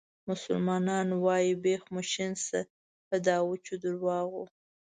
مسلمانان وایي بیخ مو شین شه په دا وچو درواغو.